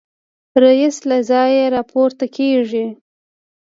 رییس له ځایه راپورته کېږي.